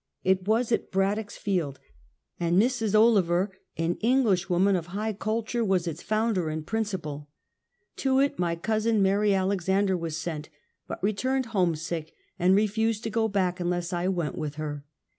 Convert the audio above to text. It was at Braddock's Field, and Mrs. Olever, an English woman of high culture, was its founder and principal. To it my cousin, Mary Alex ander, was sent, but returned homesick, and refused to go back unless I went with her.